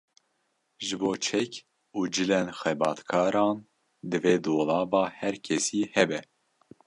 Ji bo çek û cilên xebatkaran divê dolaba her kesî hebe